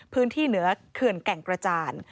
พื้นที่เหนือเขื่อนแก่งกระจาน